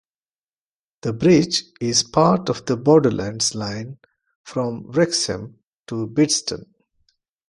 The bridge is part of the Borderlands Line from Wrexham to Bidston.